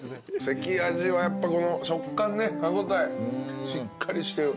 関あじはやっぱこの食感ね歯応えしっかりしてる。